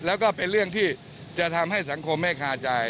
แล้วก็เป็นเรื่องที่จะทำให้สังคมไม่คาใจ